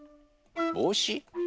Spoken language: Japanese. ぼうし？